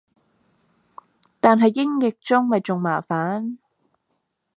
但係英譯中咪仲麻煩